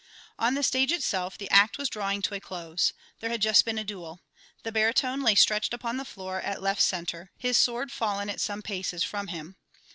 On the stage itself the act was drawing to a close. There had just been a duel. The baritone lay stretched upon the floor at left centre, his sword fallen at some paces from him.